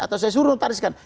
atau saya suruh notariskan